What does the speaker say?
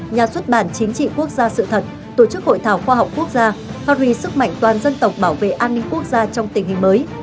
nhà xuất bản chính trị quốc gia sự thật tổ chức hội thảo khoa học quốc gia phát huy sức mạnh toàn dân tộc bảo vệ an ninh quốc gia trong tình hình mới